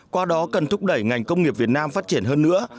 qua đó cần thúc đẩy ngành công nghiệp việt nam phát triển hơn nữa